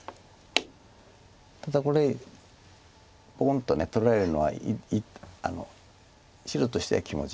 ただこれポンと取れるのは白としては気持ちがいい。